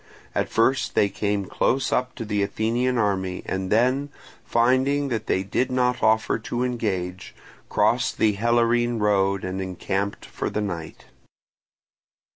At first they came close up to the Athenian army, and then, finding that they did not offer to engage, crossed the Helorine road and encamped for the night.